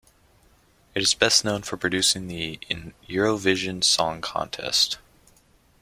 It is best known for producing the Eurovision Song Contest.